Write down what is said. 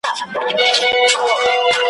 مضمون د شعر لکه پیکر دی `